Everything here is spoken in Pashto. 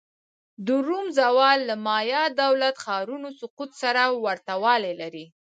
د روم زوال له مایا دولت-ښارونو سقوط سره ورته والی لري